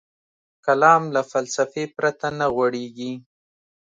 کلام له فلسفې پرته نه غوړېږي.